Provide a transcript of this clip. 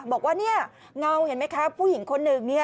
บอกว่าเนี่ยเห็นไม่ครับเห็นเพราะผู้หญิงคนนึงเนี่ย